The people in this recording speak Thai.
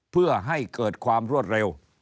เพื่อให้เกิดความรวดเร็ว